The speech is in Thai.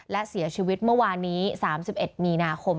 และเสียชีวิตเมื่อวานนี้๓๑มีนาคม